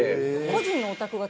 個人のお宅が？